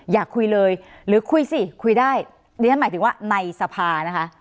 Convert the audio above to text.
อยากคุยเลยหรือคุยสิคุยได้ดิฉันหมายถึงว่าในสภานะคะ